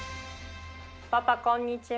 パパこんにちは。